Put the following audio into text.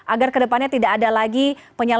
agar kedepannya tidak ada lagi yang menyebabkan kegagalan